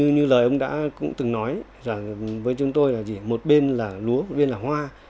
như lời ông đã từng nói với chúng tôi là gì một bên là lúa một bên là hoa